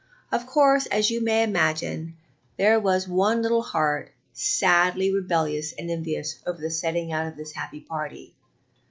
Of course, as you may imagine, there was one little heart sadly rebellious and envious over the setting out of this happy party.